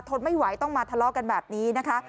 ทนไม่ไหวต้องมาทะเลาะกันแบบนี้นะคะ